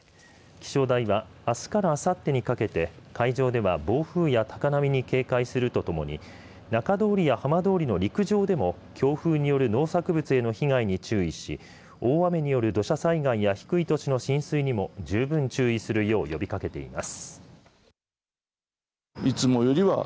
気象台はあすからあさってにかけて海上では暴風や高波に警戒するとともに中通りや浜通りの陸上でも強風による農作物への被害に注意し大雨による土砂災害や低い土地の浸水にも十分注意するよう呼びかけています。